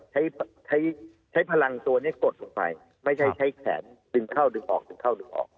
ใช้ใช้พลังตัวนี้กดลงไปไม่ใช่ใช้แขนดึงเข้าดึงออกดึงเข้าดึงออก